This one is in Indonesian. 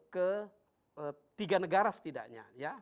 ke tiga negara setidaknya